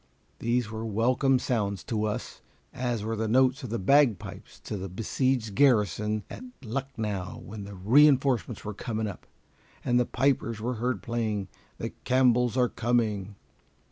These were welcome sounds to us, as were the notes of the bagpipes to the besieged garrison at Lucknow when the re enforcements were coming up, and the pipers were heard playing "The Campbells are Coming."